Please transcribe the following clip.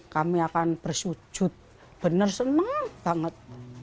kami akan bersyujud benar senang banget